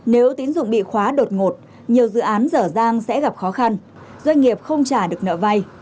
nếu tín dụng bị khóa đột ngột nhiều dự án dở dang sẽ gặp khó khăn doanh nghiệp không trả được nợ vay